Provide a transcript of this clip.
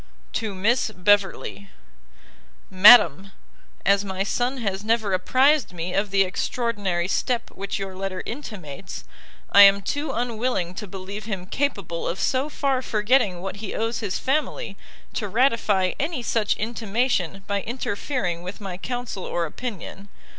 To Miss Beverley. MADAM, As my son has never apprized me of the extraordinary step which your letter intimates, I am too unwilling to believe him capable of so far forgetting what he owes his family, to ratify any such intimation by interfering with my counsel or opinion.